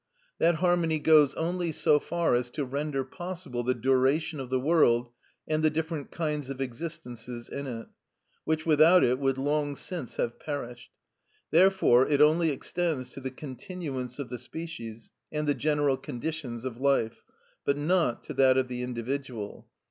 That harmony goes only so far as to render possible the duration of the world and the different kinds of existences in it, which without it would long since have perished. Therefore it only extends to the continuance of the species, and the general conditions of life, but not to that of the individual.